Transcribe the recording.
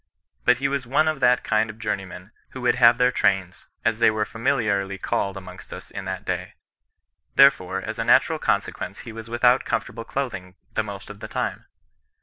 But he was one of that kind of journeymen who would have their trains, as they were familiarly called amongst us in that day. Therefore as a natural consequence he was with out comfortable clothing the most of the time.